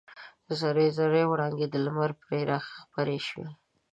زر زري وړانګې د لمر پرې راخپرې شوې.